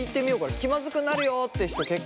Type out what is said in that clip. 気まずくなるよって人結構。